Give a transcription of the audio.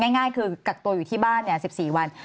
ง่ายคือกักตัวอยู่ที่บ้าน๑๔วัน